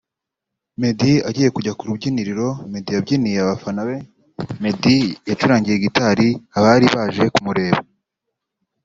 Meddy agiye kujya ku rubyiniro Meddy yabyiniye abafana be Meddy yacurangiye gitari abari baje kumureba